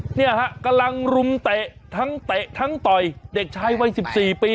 เนี่ยฮะกำลังรุมเตะทั้งเตะทั้งต่อยเด็กชายวัย๑๔ปี